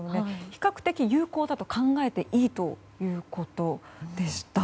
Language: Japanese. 比較的有効だと考えていいということでした。